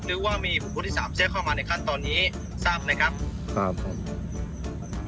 หรือว่ามีผู้ที่สามเชื่อเข้ามาในขั้นตอนนี้ทราบนะครับครับครับ